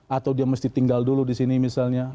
atau dia mesti tinggal dulu di sini misalnya